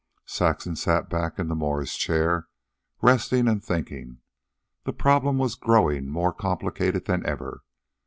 Saxon sat back in the Morris chair, resting and thinking. The problem was growing more complicated than ever.